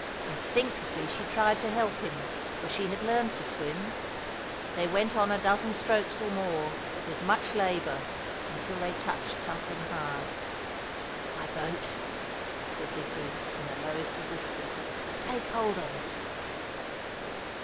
Instinctively she tried to help him, for she had learned to swim. They went on a dozen strokes or more, with much labour, until they touched something hard. "My boat," said Dickory, in the lowest of whispers; "take hold of it."